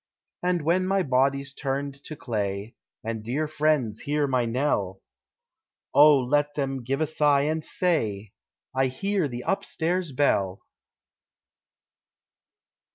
And when my body's turned to clay, And dear friends hear my knell, Oh let them give a sigh and say I hear the upstairs bell!